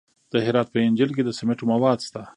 د هرات په انجیل کې د سمنټو مواد شته.